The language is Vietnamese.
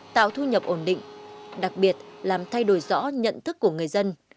tạo thu nhập ổn định đặc biệt làm thay đổi rõ nhận thức của người dân